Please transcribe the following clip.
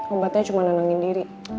obatnya cuma nenangin diri